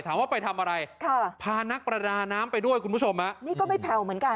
ถามว่าไปทำอะไรค่ะพานักประดาน้ำไปด้วยคุณผู้ชมฮะนี่ก็ไม่แผ่วเหมือนกัน